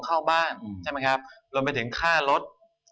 ของเข้าบ้านรวมไปถึงค่ารถ